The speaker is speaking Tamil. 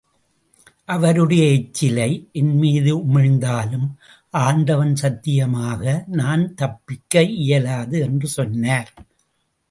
அவருடைய எச்சிலை என்மீது உமிழ்ந்தாலும், ஆண்டவன் சத்தியமாக நான் தப்பிக்க இயலாது என்று சொன்னார்.